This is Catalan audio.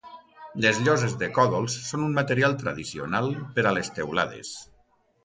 Les lloses de còdols són un material tradicional per a les teulades.